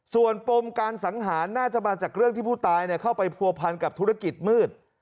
ส่วนปมการสังหารน่าจะมาจากเรื่องที่ผู้ตายเข้าไปผัวพันกับธุรกิจมืด